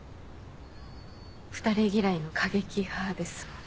２人嫌いの過激派ですもんね。